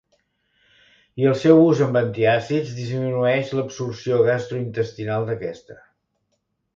I el seu ús amb antiàcids disminueix l'absorció gastrointestinal d'aquesta.